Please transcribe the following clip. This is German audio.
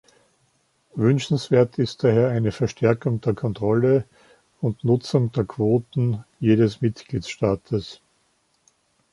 Wünschenswert ist daher eine Verstärkung der Kontrolle und Nutzung der Quoten jedes Mitgliedstaates.